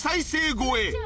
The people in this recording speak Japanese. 超え